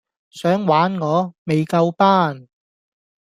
想玩我?未夠班